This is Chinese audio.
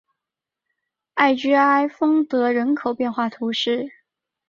艾居埃丰德人口变化图示